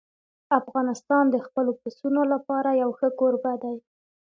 افغانستان د خپلو پسونو لپاره یو ښه کوربه دی.